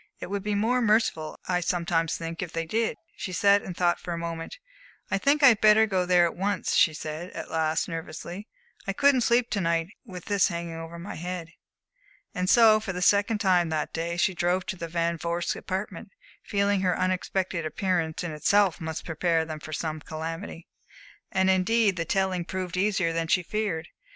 It would be more merciful, I sometimes think, if they did." She sat and thought for a moment. "I think I had better go there at once," she said, at last, nervously. "I couldn't sleep to night with this hanging over my head." And so, for the second time that day, she drove to the Van Vorsts' apartment, feeling that her unexpected appearance in itself must prepare them for some calamity. And indeed the telling proved easier than she feared.